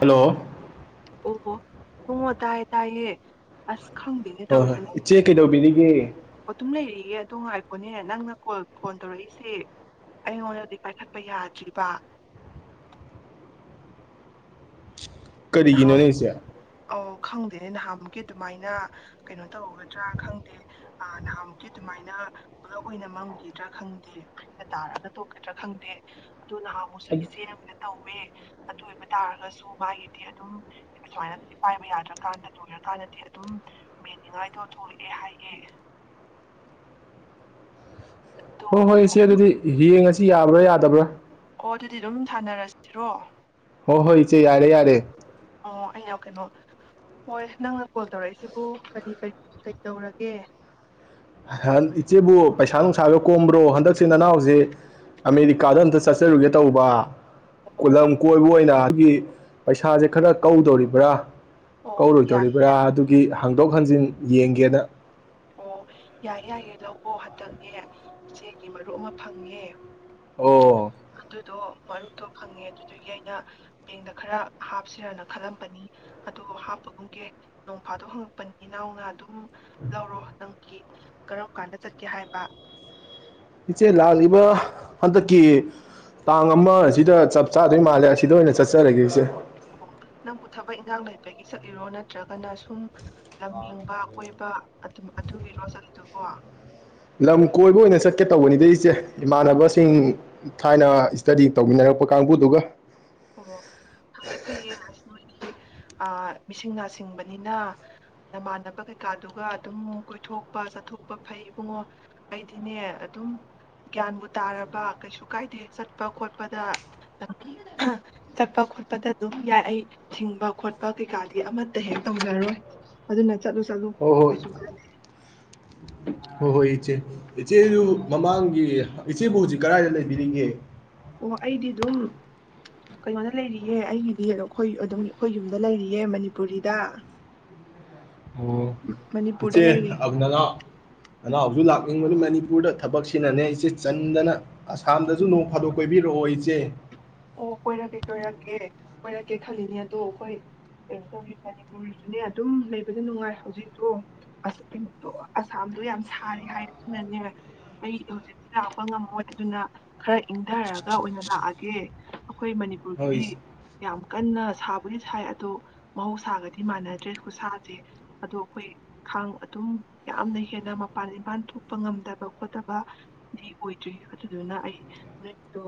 Hello ꯑꯣ ꯕꯨꯡꯉꯣ ꯇꯥꯏꯌꯦ ꯇꯥꯏꯌꯦ ꯑꯁ ꯈꯪꯗꯦꯅꯦ ꯍꯣꯏ ꯍꯣꯏ ꯇꯧꯔꯤꯁꯤꯅꯦ ꯏꯆꯦ ꯀꯩꯗꯧꯕꯤꯔꯤꯒꯦ ꯑꯗꯨꯝ ꯂꯩꯔꯤ ꯑꯗꯨ ꯉꯥꯏꯈꯣꯅꯦ ꯅꯪꯅ ꯀꯣꯜ ꯐꯣꯟ ꯇꯧꯔꯛꯏꯁꯦ ꯑꯩꯉꯣꯟꯗꯗꯤ ꯄꯥꯏꯈꯠꯄ ꯌꯥꯗ꯭ꯔꯤꯕ ꯊ ꯀꯔꯤꯒꯤꯅꯣꯅꯦ ꯏꯆꯦ ꯑꯣ ꯈꯪꯗꯦꯅꯦ ꯅꯍꯥꯃꯨꯛꯀꯤ ꯑꯗꯨꯃꯥꯏꯅ ꯀꯩꯅꯣ ꯇꯧꯒꯗ꯭ꯔꯥ ꯈꯪꯗꯦ ꯑ ꯅꯍꯥꯃꯨꯛꯀꯤ ꯑꯗꯨꯃꯥꯏꯅ ꯄꯨꯂꯞ ꯑꯣꯏꯅ ꯃꯝꯈꯤꯗ꯭ꯔꯥ ꯈꯪꯗꯦ ꯐ꯭ꯔꯤꯗ ꯇꯥꯔꯒ ꯇꯣꯛꯀꯗ꯭ꯔꯥ ꯈꯪꯗꯦ ꯑꯗꯨ ꯅꯍꯥꯃꯨꯛꯁꯨ ꯏꯆꯦ ꯑꯃꯅ ꯇꯧꯋꯦ ꯑꯗꯨ ꯑꯣꯏꯕ ꯇꯥꯔꯒꯁꯨ ꯃꯥꯒꯤ ꯑꯗꯨꯝ ꯑꯁꯨꯃꯥꯏꯅ ꯄꯥꯏꯕ ꯌꯥꯗ꯭ꯔꯀꯥꯟꯗ ꯂꯣꯏꯔꯀꯥꯟꯗꯗꯤ ꯑꯗꯨꯝ ꯃꯦꯟꯅꯤꯡꯉꯥꯏꯗꯣ ꯊꯣꯛꯂꯛꯑꯦ ꯍꯥꯏꯌꯦ ꯑꯗꯣ ꯍꯣꯏ ꯍꯣꯏ ꯏꯆꯦ ꯑꯗꯨꯝ ꯑꯗꯨꯗꯤ ꯌꯦꯡꯉꯁꯤ ꯌꯥꯕ꯭ꯔꯥ ꯌꯥꯗꯕ꯭ꯔꯥ ꯑꯣ ꯑꯗꯨꯗꯤ ꯑꯗꯨꯝ ꯊꯥꯅꯔꯁꯤꯔꯣ ꯍꯣ ꯍꯣꯏ ꯏꯆꯦ ꯌꯥꯔꯦ ꯌꯥꯔꯦ ꯑꯣ ꯑꯩꯅ ꯀꯩꯅꯣ ꯍꯣꯏ ꯅꯪꯅ ꯀꯣꯜ ꯇꯧꯔꯛꯏꯁꯤꯕꯨ ꯀꯔꯤꯔꯤ ꯀꯩꯗꯧꯔꯒꯦ ꯏꯆꯦꯕꯨ ꯄꯩꯁꯥ ꯅꯨꯡꯁꯥꯒ ꯀꯣꯝꯕ꯭ꯔꯣ ꯍꯟꯗꯛꯁꯤ ꯅꯅꯥꯎꯖꯤ ꯑꯃꯦꯔꯤꯀꯥꯗ ꯑꯝꯇ ꯆꯠ ꯆꯔꯨꯒꯦ ꯇꯧꯕ ꯀ ꯑꯣ ꯂꯝ ꯀꯣꯏꯕ ꯑꯣꯏꯅ ꯒꯤ ꯄꯩꯁꯥꯁꯦ ꯈꯔ ꯀꯧꯗꯧꯔꯤꯕ꯭ꯔꯥ ꯑꯣ ꯌꯥꯏꯌꯦ ꯀꯧꯔꯣꯏꯗꯧꯔꯤꯕ꯭ꯔꯥ ꯑꯗꯨꯒꯤ ꯍꯪ ꯍꯟꯗꯣꯛ ꯍꯟꯖꯤꯟ ꯌꯦꯡꯒꯦꯅ ꯑꯣ ꯌꯥꯏ ꯌꯥꯏꯌꯦꯦ ꯂꯋꯣ ꯍꯟꯗꯛꯅꯦ ꯏꯆꯦꯒꯤ ꯃꯔꯨꯞ ꯑꯃ ꯐꯪꯉꯦ ꯑꯣ ꯑꯗꯨꯗꯣ ꯃꯔꯨꯞꯇꯣ ꯐꯪꯉꯦ ꯑꯗꯨꯗꯨꯒꯤ ꯑꯩꯅ ꯕꯦꯡꯗ ꯈꯔ ꯍꯥꯞꯁꯤꯔꯅ ꯈꯜꯂꯝꯕꯅꯤ ꯑꯗꯣ ꯍꯥꯞꯄꯒꯨꯝꯒꯦ ꯅꯣꯡꯐꯥꯗꯣꯛ ꯍꯪꯉꯛꯄꯅꯤ ꯏꯅꯥꯎꯅ ꯑꯗꯨꯝ ꯂꯧꯔꯣ ꯅꯪꯀꯤ ꯀꯔꯝ ꯀꯥꯟꯗ ꯆꯠꯀꯦ ꯍꯥꯏꯕ ꯏꯆꯦ ꯂꯥꯛꯂꯤꯕ ꯍꯟꯗꯛꯀꯤ ꯇꯥꯡ ꯑꯃꯁꯤꯗ ꯆꯞ ꯆꯥꯗꯩ ꯃꯥꯜꯂꯦ ꯑꯁꯤꯗ ꯑꯣꯏꯅ ꯆꯠ ꯑꯣ ꯅꯪꯕꯨ ꯊꯕꯛ ꯏꯟꯈꯥꯡ ꯂꯩ ꯒꯤ ꯆꯠꯂꯤꯔꯣ ꯅꯠꯇ꯭ꯔꯒꯅ ꯁꯨꯝ ꯂꯝ ꯌꯦꯡꯕ ꯀꯣꯏꯕ ꯑꯗꯨ ꯑꯗꯨꯒꯤꯔꯣ ꯆꯠꯂꯤꯗꯨꯕꯣ ꯂꯝ ꯀꯣꯏꯕ ꯑꯣꯏꯅ ꯆꯠꯀꯦ ꯇꯧꯕꯅꯤꯗ ꯏꯆꯦ ꯏꯃꯥꯟꯅꯕꯁꯤꯡ ꯊꯥꯏꯅ ꯏꯁ꯭ꯇꯗꯤ ꯇꯧꯃꯤꯟꯅꯔꯛꯄ ꯀꯥꯡꯕꯨꯗꯨꯒ ꯑꯣ ꯐꯌꯦ ꯐꯩꯌꯦ ꯑ ꯃꯤꯁꯤꯡ ꯅꯥ ꯁꯤꯡꯕꯅꯤꯅ ꯅꯃꯥꯟꯅꯕ ꯀꯩꯀꯥꯗꯨꯒ ꯑꯗꯨꯝ ꯀꯣꯏꯊꯣꯛꯄ ꯆꯠꯊꯣꯛꯄ ꯐꯩ ꯏꯕꯨꯡꯉꯣ ꯑꯩꯗꯤꯅꯦ ꯑꯗꯨꯝ ꯒ꯭ꯌꯥꯟꯕꯨ ꯇꯥꯔꯕ ꯀꯩꯁꯨ ꯀꯥꯏꯗꯦ ꯆꯠꯄ ꯈꯣꯠꯄꯗ ꯆꯠꯄ ꯈꯣꯠꯄꯗ ꯑꯗꯨꯝ ꯌꯥꯏ ꯑꯩ ꯊꯤꯡꯕ ꯈꯣꯠꯄ ꯀꯩꯀꯥꯗꯤ ꯑꯃꯠꯇ ꯍꯦꯛ ꯇꯧꯖꯔꯣꯏ ꯑꯗꯨꯅ ꯆꯂꯣ ꯆꯂꯨ ꯍꯣꯍꯣꯏ ꯏꯆꯦ ꯏꯆꯦꯗꯨ ꯎꯝ ꯃꯃꯥꯡꯒꯤ ꯏꯆꯦꯕꯨꯖꯤ ꯀꯗꯥꯏꯗ ꯂꯩꯕꯤꯔꯤꯒꯦ ꯑꯣ ꯑꯩꯗꯤ ꯑꯗꯨꯝ ꯀꯩꯅꯣꯗ ꯂꯩꯔꯤꯌꯦ ꯑꯩꯒꯤꯗꯤ ꯑꯩꯈꯣꯏ ꯑꯗꯨꯝ ꯑꯩꯈꯣꯏ ꯌꯨꯝꯗ ꯂꯩꯔꯤꯌꯦ ꯃꯅꯤꯄꯨꯔꯤꯗ ꯑꯣ ꯃꯅꯤꯄꯨꯔꯗ ꯏꯆꯦ ꯂꯩꯔꯤ ꯑꯅꯅ ꯅꯅꯥꯎꯁꯨ ꯂꯥꯛꯅꯤꯡꯕꯅꯤ ꯃꯅꯤꯄꯨꯔꯗ ꯊꯕꯛꯁꯤꯅꯅꯦ ꯏꯆꯦ ꯆꯤꯟꯗꯅ ꯑꯁꯥꯝꯗꯁꯨ ꯎꯝ ꯅꯣꯡ ꯐꯥꯗꯣꯛ ꯀꯣꯏꯕꯤꯔꯛꯑꯣ ꯏꯆꯦ ꯑꯣ ꯀꯣꯏꯔꯛꯀꯦ ꯀꯣꯏꯔꯛꯀꯦ ꯀꯣꯏꯔꯛꯀꯦ ꯈꯜꯂꯤꯅꯦ ꯑꯗꯣ ꯑꯩꯈꯣꯏ ꯀꯩꯅꯣ ꯇꯧꯔꯤ ꯃꯅꯤꯄꯨꯔꯁꯨꯅꯦ ꯑꯗꯨꯝ ꯂꯩꯕꯗꯤ ꯅꯨꯡꯉꯥꯏ ꯍꯧꯖꯤꯛꯇꯣ ꯀꯩꯅꯣ ꯑꯁꯥꯝꯗꯣ ꯌꯥꯝ ꯁꯥꯔꯦ ꯍꯥꯏꯗꯨꯅꯅꯦ ꯑꯩ ꯍꯧꯖꯤꯛꯇꯤ ꯂꯥꯛꯄ ꯉꯝꯃꯣꯏ ꯑꯗꯨꯅ ꯈꯔ ꯏꯪꯊꯔꯒ ꯑꯣꯏꯅ ꯂꯥꯛꯑꯒꯦ [unintelligible] ꯑꯩꯈꯣꯏ ꯍꯣꯏ ꯃꯅꯤꯄꯨꯔꯒꯤꯗꯤ ꯌꯥꯝ ꯀꯟꯅ ꯁꯥꯕꯒꯤ ꯁꯥꯏ ꯑꯗꯣ ꯃꯍꯧꯁꯥꯒꯗꯤ ꯃꯥꯟꯅꯗ꯭ꯔꯦ ꯈꯨꯁꯥꯁꯦ ꯑꯗꯣ ꯑꯩꯈꯣꯏ ꯈꯥꯡ ꯑꯗꯨꯝ ꯌꯥꯝꯅ ꯍꯦꯟꯅ ꯃꯄꯥꯟ ꯏꯝꯄꯥꯟ ꯊꯣꯛꯄ ꯉꯝꯗꯕ ꯈꯣꯠꯇꯕ ꯗꯤ ꯑꯣꯏꯗ꯭ꯔꯤ ꯑꯗꯨꯗꯨꯅ ꯑꯩ ꯅꯨꯔꯤꯛꯇꯣ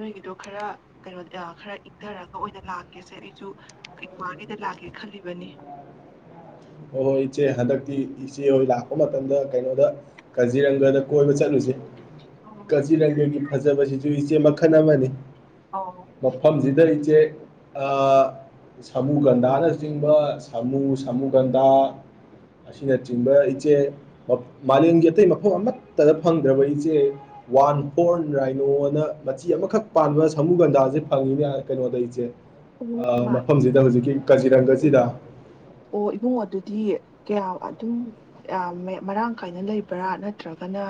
ꯅꯣꯏꯒꯤꯗꯣ ꯈꯔ ꯀꯩꯅꯣ ꯈꯔ ꯏꯪꯊꯔꯒ ꯑꯣꯏꯅ ꯂꯥꯛꯀꯦꯁꯦ ꯑꯩꯁꯨ ꯏꯀ꯭ꯋꯥꯒꯤꯗ ꯂꯥꯛꯀꯦ ꯈꯜꯂꯤꯕꯅꯤ ꯍ ꯍꯣꯏ ꯏꯆꯦ ꯍꯟꯗꯛꯇꯤ ꯏꯆꯦ ꯍꯣꯏ ꯂꯥꯛꯄ ꯃꯇꯝꯗ ꯀꯩꯅꯣꯗ ꯀꯥꯖꯤꯔꯪꯒꯗ ꯀꯣꯏꯕ ꯆꯠꯂꯨꯁꯦ ꯑꯣ ꯀꯥꯖꯤꯔꯪꯒꯒꯤ ꯐꯖꯕ ꯁꯤꯁꯨꯨ ꯏꯆꯦꯃꯛ ꯈꯟ ꯑꯃꯅꯤ ꯑꯧ ꯃꯐꯝ ꯁꯤꯗꯏꯆꯦ ꯁꯥꯃꯨ ꯒꯟꯙꯅ ꯆꯤꯡꯕ ꯁꯥꯃꯨ ꯁꯥꯃꯨ ꯒꯟꯗꯥ ꯑꯁꯤꯅꯆꯤꯡꯕ ꯏꯆꯦ ꯃꯥꯂꯦꯝꯒꯤ ꯑꯇꯩ ꯃꯐꯝ ꯑꯃꯠꯇꯗ ꯐꯪꯗ꯭ꯔꯕ ꯏꯆꯦ ꯋꯥꯟ ꯐꯣꯔ ꯔꯥꯏꯅꯣꯅ ꯃꯆꯤ ꯑꯃꯈꯛ ꯄꯥꯟꯕ ꯁꯃꯨꯒꯟꯗꯥꯁꯦ ꯐꯪꯉꯤꯅꯦ ꯀꯩꯅꯣꯗ ꯏꯆꯦ ꯏꯃꯥ ꯃꯐꯝꯁꯤꯗ ꯍꯧꯖꯤꯛꯀꯤ ꯀꯖꯤꯔꯪꯒꯁꯤꯗ ꯗꯤ ꯀꯌꯥ ꯑꯗꯨꯝ ꯃꯔꯥꯡ ꯀꯥꯏꯅ ꯂꯩꯕ꯭ꯔꯥ ꯅꯠꯇ꯭ꯔꯒꯅ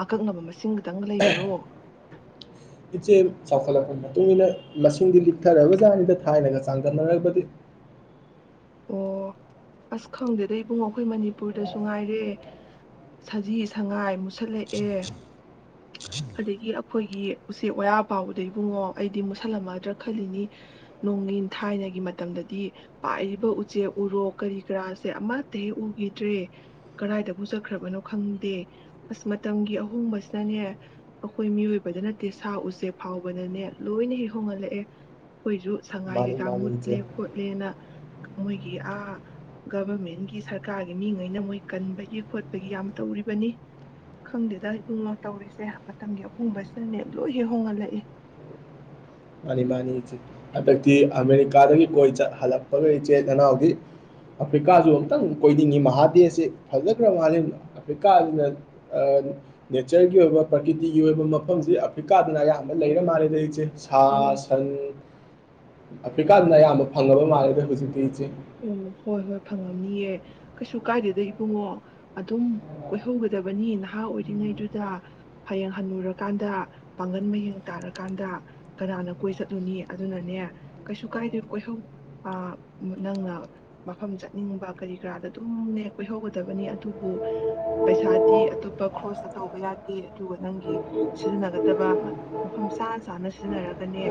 ꯑꯀꯛꯅꯕ ꯃꯁꯤꯡ ꯈꯤ ꯇꯪ ꯂꯩꯕ꯭ꯔꯣ ꯏꯆꯦ ꯆꯥꯎꯈꯠꯂꯛꯄꯩ ꯃꯇꯨꯝ ꯏꯟꯅ ꯁꯤꯡꯗꯤ ꯂꯤꯛꯊꯔꯕ ꯖꯥꯠꯅꯤꯗ ꯊꯥꯏꯅꯒ ꯆꯥꯡꯗꯝꯅꯔꯕꯗꯤ ꯑꯣ ꯑꯁ ꯈꯪꯗꯦꯗ ꯏꯕꯨꯡꯉꯣ ꯑꯩꯈꯣꯏ ꯃꯅꯤꯄꯨꯔꯗꯁꯨ ꯉꯥꯏꯔꯦ ꯁꯖꯤ ꯁꯉꯥꯏ ꯃꯨꯠꯁꯜꯂꯛꯑꯦ ꯑꯗꯒꯤ ꯑꯩꯈꯣꯏꯒꯤ ꯎꯆꯦꯛ ꯋꯥꯌꯥ ꯄꯥꯎꯕꯗ ꯏꯕꯨꯡꯉꯣ ꯑꯩꯗꯤ ꯃꯨꯠꯁꯜꯂꯝꯃꯗ꯭ꯔꯥ ꯈꯜꯂꯤꯅꯤ ꯅꯣꯡꯒꯤꯟ ꯊꯥꯏꯅꯒꯤ ꯃꯇꯝꯗꯗꯤ ꯄꯥꯏꯔꯤ ꯎꯆꯦꯛ ꯎꯔꯣ ꯀꯔꯤ ꯀꯔꯥꯁꯦ ꯑꯃꯠꯇ ꯍꯦꯛ ꯎꯈꯤꯗ꯭ꯔꯦ ꯀꯗꯥꯏꯗꯕꯨ ꯆꯠꯈ꯭ꯔꯕꯅꯣ ꯈꯪꯗꯦ ꯑꯁ ꯃꯇꯝꯒꯤ ꯑꯍꯣꯡꯕꯁꯤꯅꯅꯦ ꯑꯩꯈꯣꯏ ꯃꯤꯑꯣꯏꯕꯗ ꯅꯠꯇꯦ ꯁꯥ ꯎꯆꯦꯛ ꯐꯥꯎꯕꯗꯅꯦ ꯂꯣꯏꯅ ꯍꯦꯛ ꯍꯣꯡꯍꯜꯂꯛꯑꯦ ꯑꯈꯣꯏꯁꯨ ꯁꯉꯥꯏ ꯃꯥꯅꯤ ꯀꯩꯀꯥ ꯃꯥꯅꯤ ꯏꯆꯦ ꯃꯨꯠꯂꯦ ꯈꯣꯠꯂꯦꯅ ꯃꯣꯏꯒꯤ ꯑꯥ ꯒꯚꯔꯃꯦꯟꯒꯤ ꯁꯔꯀꯥꯔꯒꯤ ꯃꯤꯉꯩꯅ ꯃꯣꯏ ꯀꯟꯕꯒꯤ ꯈꯣꯠꯄꯒꯤ ꯌꯥꯝ ꯇꯧꯔꯤꯕꯅꯤ ꯈꯪꯗꯦꯗ ꯏꯕꯨꯡꯉꯣ ꯇꯧꯔꯤꯁꯦ ꯃꯇꯝꯒꯤ ꯑꯍꯣꯡꯕꯁꯤꯅꯅꯦ ꯂꯣꯏ ꯍꯦꯛ ꯍꯣꯡꯍꯜꯂꯛꯏ ꯃꯥꯅꯤ ꯃꯥꯅꯤ ꯏꯆꯦ ꯍꯟꯗꯛꯇꯤ ꯑꯃꯦꯔꯤꯀꯥꯗꯒꯤ ꯀꯣꯏ ꯆꯠ ꯍꯜꯂꯛꯄꯒ ꯏꯆꯦ ꯅꯅꯥꯎꯗꯤ ꯑꯐ꯭ꯔꯤꯀꯥꯁꯨ ꯑꯃꯨꯛꯇꯪ ꯀꯣꯏꯅꯤꯡꯉꯤ ꯃꯍꯥꯗꯦꯁꯤ ꯐꯖꯈ꯭ꯔ ꯃꯥꯜꯂꯤ ꯑꯐ꯭ꯔꯤꯀꯥꯁꯤꯅ ꯅꯦꯆꯔꯒꯤ ꯑꯣꯏꯕ ꯄ꯭ꯔꯀꯤꯇꯤꯒꯤ ꯑꯣꯏꯕ ꯃꯐꯝꯁꯤ ꯑꯐ꯭ꯔꯤꯀꯥꯗꯅ ꯑꯌꯥꯝꯕ ꯂꯩꯔ ꯃꯥꯜꯂꯦꯗ ꯏꯆꯦ ꯊꯥꯁꯟ ꯑꯐ꯭ꯔꯤꯀꯥꯗꯅ ꯑꯌꯥꯝꯕ ꯐꯪꯉꯕ ꯃꯥꯥꯟꯂꯗꯦ ꯍꯧꯖꯤꯛꯇꯤ ꯏꯆꯦ ꯑꯣ ꯍꯣꯏ ꯍꯣꯏ ꯐꯪꯉꯝꯅꯤꯌꯦ ꯀꯩꯁꯨ ꯀꯥꯏꯗꯦꯗ ꯏꯕꯨꯡꯉꯣ ꯑꯗꯨꯝ ꯀꯣꯏꯍꯧꯒꯗꯕꯅꯤ ꯅꯍꯥ ꯑꯣꯏꯔꯤꯉꯩꯗꯨꯗ ꯍꯌꯦꯡ ꯍꯜꯂꯨꯔꯀꯥꯟꯗ ꯄꯥꯡꯒꯜ ꯃꯌꯦꯡ ꯇꯥꯔꯀꯥꯟꯗ ꯀꯅꯥꯅ ꯀꯣꯏ ꯆꯠꯂꯨꯅꯤ ꯑꯗꯨꯅꯅꯦ ꯀꯩꯁꯨ ꯀꯥꯏꯗꯦ ꯀꯣꯏꯍꯧ ꯑ ꯅꯪꯅ ꯃꯐꯝ ꯆꯠꯅꯤꯡꯕ ꯀꯔꯤ ꯀꯔꯥꯗ ꯑꯗꯨꯝꯅꯦ ꯀꯣꯏꯍꯧꯒꯗꯕꯅꯤ ꯑꯗꯨꯕꯨ ꯄꯩꯁꯥꯗꯤ ꯑꯇꯣꯞꯄ ꯈ꯭ꯔꯣꯁꯇ ꯇꯧꯕ ꯌꯥꯗꯦ ꯑꯗꯨꯒ ꯅꯪꯒꯤ ꯁꯤꯖꯤꯟꯅꯒꯗꯕ ꯃꯐꯝ ꯆꯥꯅ ꯆꯥꯅ ꯁꯤꯖꯤꯟꯅꯔꯒꯅꯦ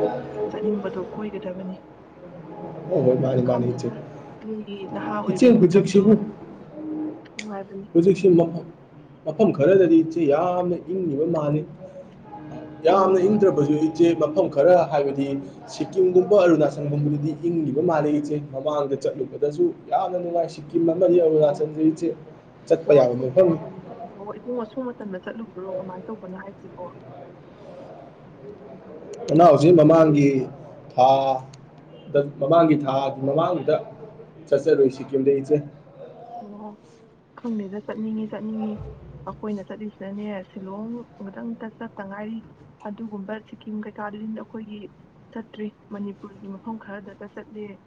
ꯆꯠꯅꯤꯡꯕꯗꯣ ꯀꯣꯏꯒꯗꯕꯅꯤ ꯍꯣꯏ ꯍꯣꯏ ꯃꯥꯅꯤ ꯃꯥꯅꯤ ꯏꯆꯦ ꯈꯪꯗꯦꯗ ꯅꯣꯏꯒꯤ ꯅꯍꯥ ꯏꯆꯦ ꯑꯣꯏꯕꯒꯤ ꯃꯇꯝꯗꯣ ꯍꯧꯖꯤꯛꯁꯤꯕꯨ ꯅꯨꯡꯉꯥꯏꯕꯅꯤ ꯍꯧꯖꯤꯛꯁꯤ ꯑꯐꯝ ꯈꯔꯗꯗꯤ ꯆꯦ ꯌꯥꯝꯅ ꯏꯪꯉꯕ ꯃꯥꯜꯂꯤ ꯑꯣ ꯌꯥꯝꯅ ꯍꯤꯡꯗ꯭ꯔꯕꯁꯨ ꯏꯆꯦ ꯃꯐꯝ ꯈꯔ ꯍꯥꯏꯕꯗꯤ ꯁꯤꯀꯤꯝꯒꯨꯝꯕ ꯑꯔꯨꯅꯥꯆꯜꯒꯨꯝꯕꯗꯗꯤ ꯏꯪꯂꯤꯕ ꯃꯥꯥꯟꯅꯩ ꯏꯆꯦ ꯃꯃꯥꯡꯗ ꯆꯠꯂꯨꯕꯗꯁꯨ ꯌꯥꯝꯅ ꯅꯨꯪꯉꯥꯏ ꯁꯤꯀꯤꯝ ꯑꯃꯗꯤ ꯑꯣ ꯑꯔꯨꯅꯆꯜꯗꯥꯗꯤ ꯏꯆꯦ ꯆꯠꯄ ꯌꯥꯕꯥ ꯃꯐꯝꯅꯤ ꯑꯊꯨꯕ ꯃꯇꯝꯟꯗ ꯆꯠꯂꯨꯕ꯭ꯔꯣ ꯀꯃꯥꯏꯅ ꯇꯧꯕꯅꯣ ꯍꯥꯏꯁꯤꯕꯣ ꯅꯥ ꯅꯥꯑꯣꯁꯦ ꯃꯃꯥꯡꯒꯤ ꯊꯥ ꯃꯃꯥꯡꯒꯤ ꯊꯥ ꯑꯗꯨ ꯃꯃꯥꯡꯗ ꯆꯠꯆꯔꯨꯏ ꯁꯤꯀꯤꯝꯗ ꯏꯆꯦ ꯑꯣ ꯈꯪꯗꯦꯗ ꯆꯠꯅꯤꯡꯉꯤ ꯆꯠꯅꯤꯡꯉꯤ ꯑꯩꯈꯣꯏꯅ ꯆꯠꯂꯤꯁꯤꯅꯅꯦ ꯁꯤꯂꯣꯡ ꯑꯃꯛꯇꯪꯇ ꯆꯠꯇ ꯉꯥꯏꯔꯤ ꯑꯗꯨꯒꯨꯝꯕ ꯁꯤꯀꯤꯝ ꯀꯩꯀꯥꯗꯨꯗꯤ ꯑꯩꯈꯣꯏꯒꯤ ꯆꯠꯇ꯭ꯔꯤ ꯃꯅꯤꯄꯨꯔꯒꯤ ꯃꯐꯝ ꯈꯔꯗꯒ ꯆꯠꯂꯤꯦ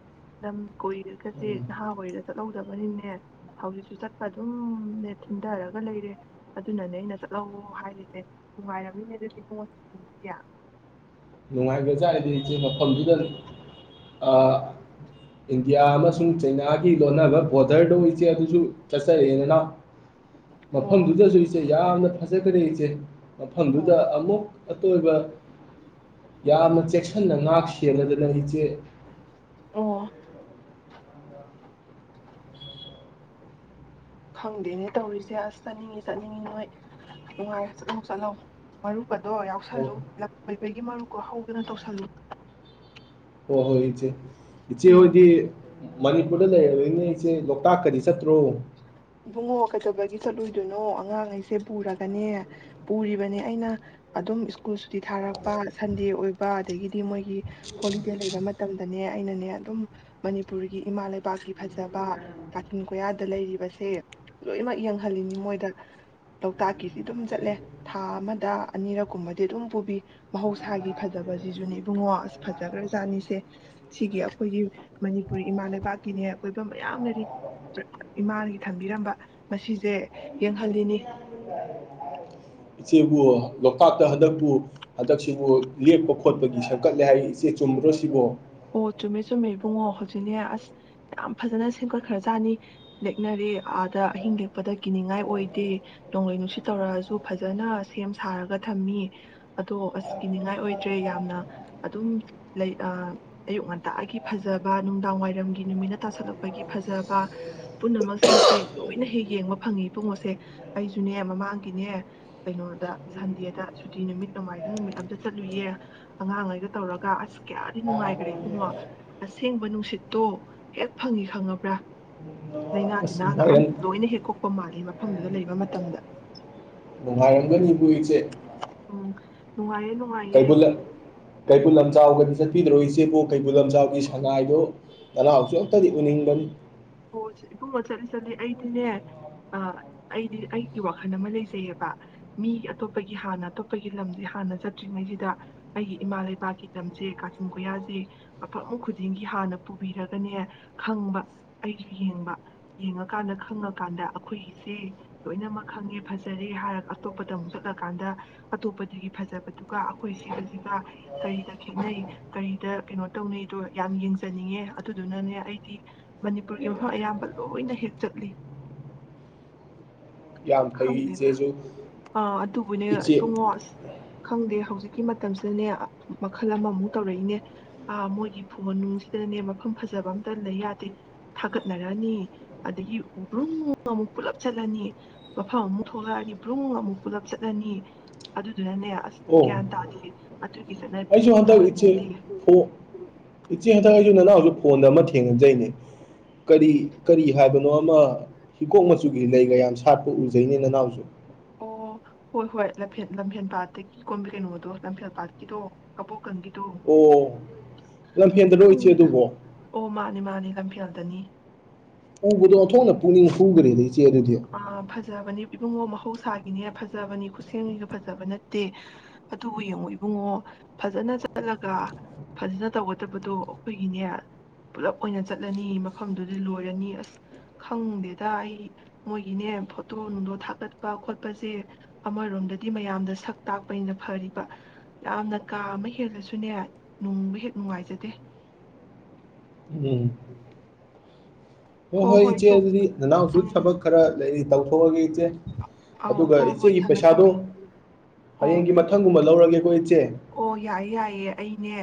ꯂꯝ ꯀꯣꯏꯔꯒꯁꯦ ꯅꯍꯥ ꯑꯣꯏꯔꯒ ꯆꯠꯍꯧꯗꯕꯅꯤꯅꯦ ꯍꯧꯖꯤꯛꯁꯨ ꯆꯠꯄ ꯑꯗꯨꯝꯅꯦ ꯊꯤꯟꯊꯔꯒ ꯂꯩꯔꯦ ꯑꯗꯨꯅꯅꯦ ꯑꯩꯅ ꯆꯠꯍꯣ ꯍꯥꯏꯔꯤꯁꯦ ꯅꯨꯡꯉꯥꯏꯔꯝꯃꯤꯅꯦ ꯑꯗꯨꯗꯤ ꯄꯨꯡꯗꯨꯗꯤ ꯅꯨꯡꯉꯥꯏꯕꯖꯥꯠ ꯍꯥꯏꯗꯤ ꯏꯆꯦ ꯃꯐꯝꯗꯨꯗ ꯏꯟꯗꯤꯌꯥ ꯑꯃꯁꯨꯡ ꯆꯩꯅꯥꯒꯤ ꯂꯣꯟꯅꯕ ꯕꯣꯔꯗꯔꯗꯣ ꯏꯆꯦ ꯑꯗꯨ ꯗꯨ ꯆꯠꯆꯔꯛꯏ ꯅꯥꯅꯥꯑꯣ ꯃꯐꯝꯗꯨꯗꯁꯨ ꯏꯆꯦ ꯌꯥꯝꯅ ꯐꯖꯈ꯭ꯔꯦ ꯀ ꯑꯣ ꯃꯐꯝꯗꯨꯗ ꯑꯃꯨꯛ ꯑꯇꯣꯏꯕ ꯌꯥꯝꯅ ꯆꯦꯛꯁꯤꯟꯅ ꯉꯥꯛ ꯁꯦꯅꯗꯅ ꯏꯆꯦ ꯑꯣ ꯈꯪꯗꯦꯅꯦ ꯇꯧꯔꯤꯁꯦ ꯑꯁ ꯆꯠꯅꯤꯡꯉ ꯆꯠꯅꯤꯡꯉꯤ ꯅꯣꯏ ꯅꯨꯡꯉꯥꯏꯔ ꯆꯠꯂꯧ ꯆꯠꯂꯧ ꯃꯔꯨꯞ ꯄꯗꯣ ꯑꯣ ꯌꯥꯎꯁꯜꯂꯨ [unintelligible] ꯃꯔꯨꯞꯀꯣ ꯍꯧꯗꯅ ꯇꯧꯁꯜꯂꯨ ꯑꯣ ꯍꯣꯏ ꯏꯆꯦ ꯎꯝ ꯏꯆꯦꯍꯣꯌꯗꯤ ꯃꯅꯤꯄꯨꯔꯗ ꯂꯩꯔꯃꯤꯟ ꯏꯆꯦ ꯂꯣꯀ ꯇꯥꯛꯀꯗꯤ ꯆꯠꯇ꯭ꯔꯣ ꯏꯕꯨꯡꯉꯣꯛꯀꯗꯕꯒꯤ ꯆꯠꯂꯨꯏꯗꯣꯏꯅꯣ ꯑꯉꯥꯡꯈꯩꯁꯦ ꯄꯨꯔꯒꯅꯦ ꯄꯨꯔꯤꯕꯅꯦ ꯑꯩꯅ ꯑꯗꯨꯝ ꯁ꯭ꯀꯨꯜ ꯁꯨꯇꯤ ꯊꯥꯔꯛꯄ ꯁꯟꯗꯦ ꯑꯣꯏꯕ ꯑꯗꯒꯤꯗꯤ ꯃꯣꯏꯒꯤ ꯍꯣꯂꯤꯗꯦ ꯂꯩꯕ ꯃꯇꯝꯗꯅꯦ ꯑꯩꯅꯅꯦ ꯑꯗꯨꯝ ꯃꯅꯤꯄꯨꯔꯒꯤ ꯏꯃꯥ ꯂꯩꯕꯥꯛꯀꯤ ꯐꯖꯕ ꯀꯥꯆꯤꯟ ꯀꯣꯌꯥꯗ ꯂꯩꯔꯤꯕꯁꯦ ꯂꯣꯏꯅꯃꯛ ꯌꯦꯡꯍꯜꯂꯤꯅꯤ ꯃꯣꯏꯗ ꯂꯣꯛꯇꯥꯛꯀꯤꯁꯤ ꯑꯗꯨꯝ ꯆꯠꯂꯦ ꯊꯥ ꯑꯃꯗ ꯑꯅꯤꯔꯛ ꯀꯨꯝꯕꯗꯤ ꯑꯗꯨꯝ ꯄꯨꯕꯤ ꯃꯍꯧꯁꯥꯒꯤ ꯐꯖꯕꯁꯤꯁꯨꯅꯦ ꯏꯕꯨꯡꯉꯣ ꯑꯁ ꯐꯖꯈ꯭ꯔꯖꯥꯠꯅꯤꯁꯦ ꯁꯤꯒꯤ ꯑꯩꯈꯣꯏꯒꯤ ꯃꯅꯤꯄꯨꯔꯤ ꯏꯃꯥ ꯂꯩꯕꯥꯛꯀꯤꯅꯦ ꯑꯀꯣꯏꯕ ꯃꯌꯥꯝꯅꯔꯤ ꯏꯃꯥ ꯊꯝꯕꯤꯔꯝꯕ ꯃꯁꯤꯁꯦ ꯌꯦꯡꯍꯜꯂꯤꯅꯤ ꯏꯆꯦꯕꯨ ꯂꯣꯛꯇꯥꯛꯇ ꯍꯟꯗꯛꯄꯨ ꯍꯟꯗꯛꯁꯤꯕꯨ ꯂꯦꯛꯞꯄ ꯈꯣꯠꯄꯒꯤ ꯁꯛꯀꯠꯂꯦ ꯍꯥꯏ ꯏꯆꯦ ꯆꯨꯝꯕ꯭ꯔꯣ ꯁꯤꯕꯨꯣ ꯑꯣ ꯆꯨꯝꯃꯦ ꯆꯨꯝꯃꯦ ꯏꯕꯨꯡꯉꯣ ꯍꯧꯖꯤꯛꯅꯦ ꯑꯁ ꯌꯥꯝ ꯐꯖꯅ ꯁꯦꯝꯒꯠ ꯈ꯭ꯔꯖꯥꯠꯅꯤ ꯂꯦꯛꯅꯔꯦ ꯑꯥꯗ ꯑꯍꯤꯡ ꯂꯦꯛꯄꯗ ꯀꯤꯅꯤꯡꯉꯥꯏ ꯑꯣꯏꯗꯦ ꯅꯣꯡꯂꯩ ꯅꯨꯡꯁꯤꯠ ꯇꯧꯔꯛꯑꯁꯨ ꯐꯖꯅ ꯁꯦꯝ ꯁꯥꯔꯒ ꯊꯝꯃꯤ ꯑꯗꯣ ꯑꯁ ꯀꯤꯅꯤꯡꯉꯥꯏ ꯑꯣꯏꯗ꯭ꯔꯦ ꯌꯥꯝꯅ ꯑꯗꯨꯝ ꯂꯩ ꯑꯌꯨꯛ ꯉꯟꯇꯥꯒꯤ ꯐꯖꯕ ꯅꯨꯡꯗꯥꯡ ꯋꯥꯏꯔꯝꯒꯤ ꯅꯨꯃꯤꯠꯅ ꯇꯥꯁꯜꯂꯛꯄꯒꯤ ꯐꯖꯕ ꯄꯨꯝꯅꯃꯛꯁꯤꯡꯁꯦ ꯂꯣꯏꯅ ꯍꯦꯛ ꯌꯦꯡꯕ ꯐꯪꯉꯤ ꯏ ꯄꯨꯡꯉꯣꯁꯦ ꯑꯩꯁꯨꯅꯦ ꯃꯃꯥꯡꯒꯤꯅꯦ ꯀꯩꯅꯣꯗ ꯁꯟꯗꯦꯗ ꯁꯨꯇꯤ ꯅꯨꯃꯤꯠ ꯅꯣꯡꯃꯥꯏꯖꯤꯡ ꯅꯨꯃꯤꯠ ꯑꯝꯇ ꯆꯠꯂꯨꯏꯌꯦ ꯑꯉꯥꯡꯉꯩꯒ ꯇꯧꯔꯒ ꯑꯁ ꯀꯌꯥꯗꯤ ꯅꯨꯡꯉꯥꯏ [unintelligible] ꯑꯦꯕꯨꯡꯉꯣ ꯑꯁꯦꯡꯕ ꯅꯨꯡꯁꯤꯠꯇꯣ ꯍꯦꯛ ꯐꯪꯉꯤ ꯈꯪꯉꯕ꯭ꯔꯥ ꯂꯥꯏꯅꯥ ꯑꯁ ꯇꯤꯟꯅꯥꯒ ꯑ ꯅꯨꯡꯉꯥꯏꯔꯝ ꯂꯣꯏꯅ ꯍꯦꯛ ꯀꯣꯛꯄ ꯃꯥꯜꯂꯤ ꯃꯐꯝꯗꯨꯗ ꯂꯩꯕ ꯃꯇꯝꯗ ꯄꯔꯝꯒꯅꯤꯕꯨ ꯏꯆꯦ ꯎꯝ ꯅꯨꯡꯉꯥꯏ ꯀꯩ ꯕꯨꯜ ꯀꯩꯕꯨꯜ ꯂꯝ ꯖꯥꯑꯣꯌꯗꯤ ꯆꯠꯄꯤꯗꯔꯣ ꯏꯆꯦꯕꯣ ꯀꯦꯏꯕꯨꯜ ꯂꯝꯖꯥꯑꯣꯒꯤ ꯁꯉꯥꯏꯗꯨ ꯅꯅꯥꯎꯁꯨ ꯑꯝꯇꯗꯤ ꯎꯅꯤꯡꯕꯅꯤ꯫ ꯑꯣ ꯏꯕꯨꯡꯛꯣ ꯆꯠꯂꯤ ꯆꯠꯂꯤ ꯑꯩꯗꯤꯅꯦ ꯑꯩꯗꯤ ꯑꯩꯒꯤ ꯋꯥꯈꯜ ꯑꯃ ꯂꯩꯖꯩꯑꯕ ꯃꯤꯒꯤ ꯑꯇꯣꯞꯄꯒꯤ ꯍꯥꯟꯅ ꯑꯇꯣꯞꯄꯒꯤ ꯂꯝꯁꯦ ꯍꯥꯟꯅ ꯆꯠꯇ꯭ꯔꯤꯉꯩꯁꯤꯗ ꯑꯩꯒꯤ ꯏꯃꯥ ꯂꯩꯕꯥꯛꯀꯤ ꯂꯝꯁꯦ ꯀꯥꯆꯤꯟ ꯀꯣꯏꯌꯥꯁꯦ ꯃꯐꯝ ꯈꯨꯗꯤꯡꯒꯤ ꯍꯥꯟꯅ ꯄꯨꯕꯤꯔꯒꯅꯦ ꯈꯪꯕ꯫ ꯑꯩꯁꯨ ꯌꯦꯡꯕ ꯌꯦꯡꯉꯀꯥꯟꯗ ꯈꯪꯉꯀꯥꯟꯗ ꯑꯩꯈꯣꯏꯒꯤꯁꯦ ꯂꯣꯏꯅꯃꯛ ꯈꯪꯉꯦ ꯐꯖꯔꯦ ꯍꯥꯏꯔꯒ ꯑꯇꯣꯞꯄꯗ ꯑꯃꯨꯛ ꯆꯠꯂꯀꯥꯟꯗ ꯑꯇꯣꯞꯄꯗꯨꯒꯤ ꯐꯖꯕꯗꯨꯒ ꯑꯩꯈꯣꯏ ꯁꯤꯕꯁꯤꯒ ꯀꯔꯤꯗ ꯈꯦꯠꯅꯩ ꯀꯔꯤꯗ ꯀꯩꯅꯣ ꯇꯧꯅꯩꯗꯣ ꯌꯥꯝ ꯌꯦꯡꯖꯅꯤꯡꯉꯦ ꯑꯗꯨꯗꯨꯅꯅꯦ ꯑꯩꯗꯤ꯫ ꯃꯅꯤꯄꯨꫪꯒꯤ ꯃꯐꯝ ꯑꯌꯥꯝꯕ ꯂꯣꯏꯅ ꯍꯦꯛ ꯆꯠꯂꯤ꯫ ꯌꯥꯝ ꯐꯩ ꯈꯪꯗꯦꯗ ꯏꯆꯦꯁꯨ ꯑꯥ ꯑꯗꯨꯕꯨꯅꯦ ꯏꯆꯦ ꯏꯕꯨꯡꯉꯣ ꯑꯁ꯫ ꯈꯪꯗꯦ ꯍꯧꯖꯤꯛꯀꯤ ꯃꯇꯝꯁꯤꯗꯅꯦ ꯃꯈꯜ ꯑꯃꯃꯨꯛ ꯇꯧꯔꯛꯏꯅꯦ ꯑ ꯃꯣꯏꯒꯤ ꯐꯣꯟ ꯅꯨꯡꯁꯤꯗꯅꯦ ꯃꯐꯝ ꯐꯖꯕ ꯑꯝꯇ ꯂꯩ ꯌꯥꯗꯦ ꯊꯥꯒꯠꯅꯔꯛꯑꯅꯤ ꯑꯗꯒꯤ ꯒ꯭ꫪꯨꯡ ꯑꯃꯨꯛ ꯄꯨꯜꯂꯞ ꯆꯠꯂꯅꯤ꯫ ꯃꯐꯝ ꯑꯃꯨꯛ ꯊꯣꯛꯂꯛꯑꯅꯤ ꯒ꯭ꯔꯨꯡ ꯑꯃꯨꯛ ꯄꯨꯂꯞ ꯆꯠꯂꯅꯤ ꯑꯗꯨ꯫ ꯑꯣ ꯑꯗꯨꯒꯤ ꯑꯩꯁꯨ ꯆꯠꯅꯕꯤꯗꯨꯗꯤ ꯍꯟꯗꯛ ꯏꯆꯦ ꯇꯧꯍꯟꯅꯤꯡꯗꯦ ꯏꯆꯦ ꯍꯟꯗꯛ ꯑꯩꯁꯨ ꯅꯅꯥꯎꯁꯨ ꯐꯣꯟꯗ ꯑꯃ ꯊꯦꯡꯅꯖꯩꯅꯦ ꯀꯔꯤ ꯀꯔꯤ ꯍꯥꯏꯕꯅꯣ ꯑꯃ ꯍꯤꯒꫭꯛ ꯃꯆꯨꯒꯤ ꯂꯩꯒ ꯌꯥꯝ ꯁꯥꯠꯄ꯫ ꯎꯖꯩꯅꯦ ꯅꯅꯥꯎꯁꯨ꯫ ꯂꯝꯐ ꯂꯝꯐꯦꯟ ꯄꯥꯠꯇꯒꯤ ꯀꯣꯝꯕꯤ ꯀꯩꯅꯣꯗꯣ ꯂꯝꯐꯦꯜ ꯄꯥꯠꯀꯤꯗꯣ ꯀꯕꯣꯛ ꯀꯪꯒꯤ꯫ ꯑꯣ ꯂꯝꯐꯦꯜꯗꯔꫭ ꯏꯆꯦ ꯈꯪꯗꯦꯗ ꯑꯗꯨꯕꯣ꯫ ꯑꯣ ꯃꯥꯅꯦ [unintelligible] ꯎꯕꯗꯣ ꯑꯣꯊꯣꯛꯅ ꯄꯨꯛꯅꯤꯡ ꯍꯨꯈ꯭ꯔꯦꯅꯦ ꯏꯆꯦ ꯑꯗꯨꯗꯤ꯫ ꯑꯥ ꯐꯖꯕꯅꯤ ꯏꯕꯨꯡꯉꯣ ꯃꯍꯧꯁꯥꯒꯤꯅꯦ ꯐꯖꯕꯅꯤ ꯈꯨꯠꯁꯦꯝꯒꯤꯒ ꯐꯖꯕ ꯅꯠꯇꯦ ꯑꯗꯨꯕꯨ ꯌꯦꯡꯉꯣ ꯏꯕꯨꯡꯉꯣ ꯐꯖꯅ ꯆꯠꯂꯒ ꯐꯖꯅ ꯇꯧꯒꯗꯕꯗꯣ ꯑꯩꯈꯣꯏꯒꯤꯅꯦ ꯄꯨꯂꯞ ꯑꯣꯏꯅ ꯆꯠꯂꯅꯤ ꯃꯐꯝꯗꯨꯗꯤ ꯂꯣꯏꯔꯅꯤ ꯑꯁ ꯈꯪꯗꯦꯗ ꯑꯩ ꯃꯣꯏꯒꯤꯅꯦ꯫ ꯇꯣ ꯅꯨꯡꯗꯣ ꯊꯥꯛꯀꯠꯄ ꯈꯣꯠꯄꯁꯦ ꯑꯃꯔꯣꯝꯗꯗꯤ ꯃꯌꯥꯝꯗ ꯁꯛ ꯇꯥꯛꯄꯅꯤꯅ ꯐꯔꯤꯕ ꯌꯥꯝꯅ ꯀꯥ ꯑꯃ ꯍꯦꯜꯂꯁꯨꯅꯦ ꯅꯨꯡꯕ ꯍꯦꯛ ꯅꯨꯡꯉꯥꯏꯖꯗꯦ꯫ ꯎꯝ ꯍꯣꯏ ꯍꯣ ꯍꯣꯏ ꯏꯆꯦ ꯇꯣ ꯑꯗꯨꯗꯤ ꯅꯅꯥꯎꯁꯨ ꯎꯝ ꯊꯕꯛ ꯈꯔ ꯂꯩꯔꯤ ꯇꯧꯊꯣꯛꯑꯒꯦ ꯏꯆꯦ ꯑꯧ ꯑꯗꯨꯒ ꯍꯣ ꯍꯣꯏ ꯏꯆꯦꯒꯤ ꯊꯝꯃꯦ ꯄꯩꯁꯥꯗꯣ ꯊꯝꯃꯦ ꯑꯣ ꯍꯌꯦꯡꯒꯤ ꯃꯊꯪꯒꯨꯝꯕ ꯂꯧꯔꯒꯦꯀꯣ ꯏꯆꯦ꯫ ꯑꯣ ꯌꯥꯏꯌꯦ ꯌꯥꯏꯌꯦ ꯑꯩꯅꯦ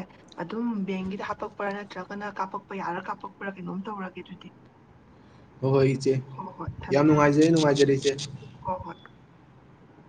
ꯑꯗꯨꯝ ꯕꯦꯡꯒꯤꯗ ꯍꯥꯞꯄꯛꯄ꯭ꯔꯥ ꯅꯠꯇ꯭ꯔꯒꯅ ꯀꯥꯞꯄꯛꯄ ꯌꯥꯔꯥ ꯀꯥꯞꯄꯛꯄ꯭ꯔꯥ ꯀꯩꯅꯣꯝ ꯇꯧꯔꯒꯦ ꯑꯗꯨꯗꯤ꯫ ꯍꯣꯏ ꯍꯣꯏ ꯏꯆꯦ ꯍꯣꯏ ꯍꯣꯏ ꯊꯝꯃꯦ ꯌꯥꯝ ꯊꯝꯃꯦ ꯅꯨꯡꯉꯥꯏꯖꯔꯦ ꯅꯨꯡꯉꯥꯏꯖꯔꯦ ꯏꯆꯦ꯫ ꯍꯣꯏ ꯍꯣꯏ